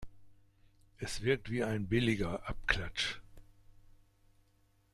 Es wirkt wie ein billiger Abklatsch.